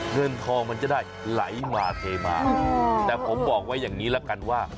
เงินทองมันจะได้ไหลมาเทมาแต่ผมบอกไว้อย่างนี้ละกันว่า